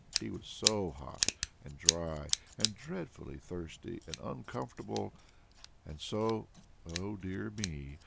He was so hot and dry and dreadfully thirsty and uncomfortable! And so oh, dear me!